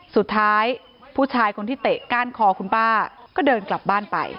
สุดท้ายผู้ชายคนที่เตะก้านคอคุณป้าก็เดินกลับบ้านไป